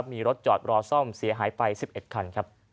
มีรถจอดรอซ่อมศัยหาย๑๑คัน